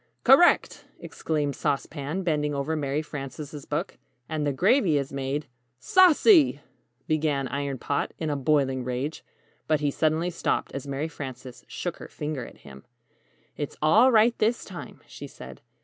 "Correct!" exclaimed Sauce Pan, bending over Mary Frances' book. "And the gravy is made " "Saucy!" began Iron Pot, in a boiling rage; but he suddenly stopped, as Mary Frances shook her finger at him. [Illustration: "Saucy!"] "It's all right this time," she said.